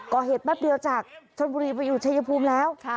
แป๊บเดียวจากชนบุรีไปอยู่ชายภูมิแล้ว